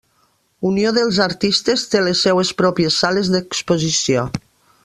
Unió dels artistes té les seues pròpies sales d'exposició.